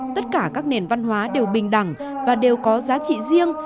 tất cả các nền văn hóa đều bình đẳng và đều có giá trị riêng